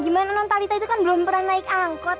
gimana non talita itu kan belum pernah naik angkot